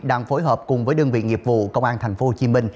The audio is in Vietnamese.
đang phối hợp cùng với đơn vị nghiệp vụ công an tp hcm